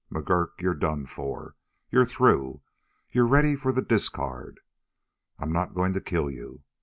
McGurk, you're done for. You're through. You're ready for the discard. I'm not going to kill you.